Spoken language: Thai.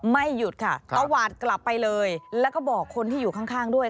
ไม่หยุดค่ะตวาดกลับไปเลยแล้วก็บอกคนที่อยู่ข้างด้วย